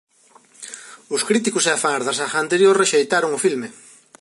Os críticos e fans da saga anterior rexeitaron o filme.